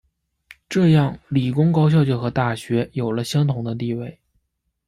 这样理工高校就和大学有了相同的地位。